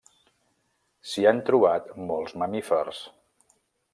S'hi han trobat molts mamífers.